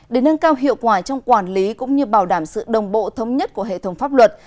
để nâng cao hiệu quả trong quản lý cũng như bảo đảm sự đồng bộ thống nhất của hệ thống pháp luật